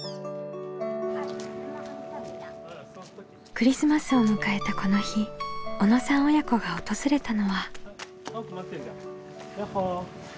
クリスマスを迎えたこの日小野さん親子が訪れたのは。